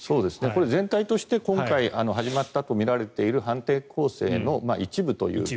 これは全体として今回始まったとみられている反転攻勢の一部というか。